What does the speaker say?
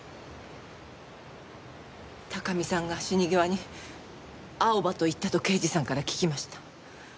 高見さんが死に際にアオバと言ったと刑事さんから聞きました。